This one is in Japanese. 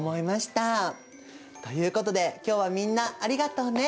ということで今日はみんなありがとうね。